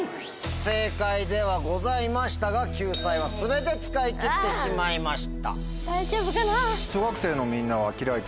正解ではございましたが救済は全て使い切ってしまいました。